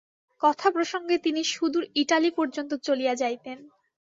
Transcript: কথাপ্রসঙ্গে তিনি সুদূর ইটালী পর্যন্ত চলিয়া যাইতেন।